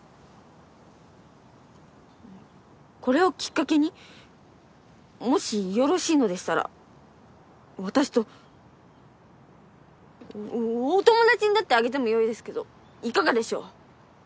これをきっかけにもしよろしいのでしたら私とお友達になってあげてもよいですけどいかがでしょう？